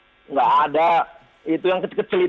tidak ada itu yang kecil kecil itu